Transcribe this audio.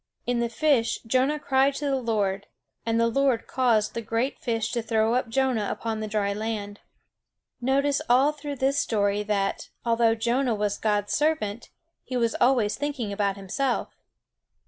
In the fish Jonah cried to the Lord; and the Lord caused the great fish to throw up Jonah upon the dry land. Notice all through this story that, although Jonah was God's servant, he was always thinking about himself.